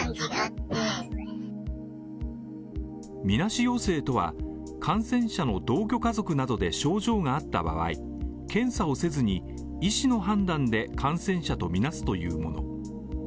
みなし陽性とは感染者の同居家族などで症状があった場合、検査をせずに医師の判断で感染者とみなすというもの。